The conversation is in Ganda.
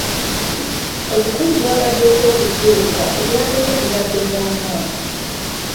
Obukulu bw'abaddeko okutuuka olwa leero bubadde bwamanyi.